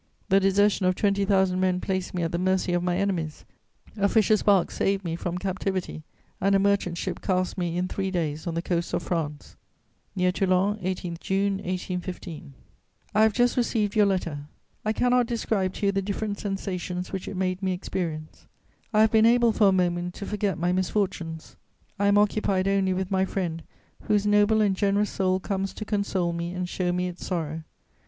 The desertion of twenty thousand men placed me at the mercy of my enemies; a fisher's bark saved me from captivity, and a merchant ship cast me in three days on the coasts of France." "Near TOULON, 18 June 1815. "I have just received your letter. I cannot describe to you the different sensations which it made me experience. I have been able for a moment to forget my misfortunes. I am occupied only with my friend, whose noble and generous soul comes to console me and show me its sorrow.